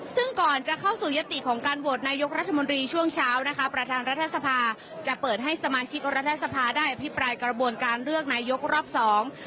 ซึ่งก่อนจะเข้าสู่ยติของการโหวตนายกรัฐมนตรีช่วงเช้านะคะประธานรัฐสภาจะเปิดให้สมาชิกรัฐสภาได้อภิปรายกระบวนการเลือกนายกรอบสอง